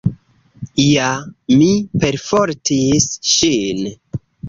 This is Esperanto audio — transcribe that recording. Ja, mi perfortis ŝin.